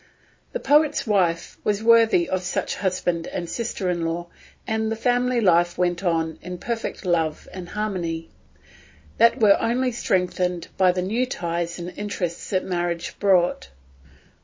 The poet's wife was worthy of such a husband and sister in law, and the family life went on in perfect love and harmony, that were only strengthened by the new ties and interests that marriage brought.